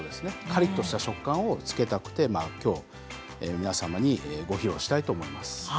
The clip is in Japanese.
カリっとした食感をつけたくてきょうは皆様に、ご披露したいと思います。